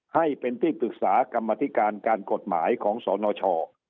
ให้เป็นที่ปรึกษากรรมธิการการกฎหมายของสนช